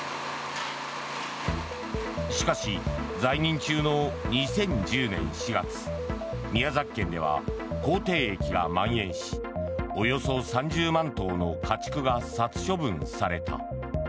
しかし、在任中の２０１０年４月宮崎県では口蹄疫がまん延しおよそ３０万頭の家畜が殺処分された。